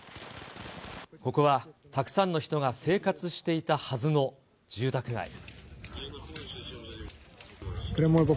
ここはたくさんの人が生活していたはずの住宅街。